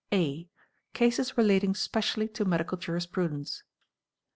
A. Cases relating specially to Medical Jurisprudence.